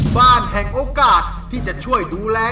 บ้านแห่งโอกาสที่จะช่วยดูแล